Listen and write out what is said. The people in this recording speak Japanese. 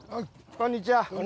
こんにちは。